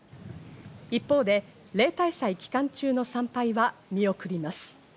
一方で例大祭期間中の参拝は見送ります。